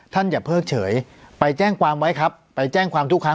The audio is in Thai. อย่าเพิ่งเฉยไปแจ้งความไว้ครับไปแจ้งความทุกครั้ง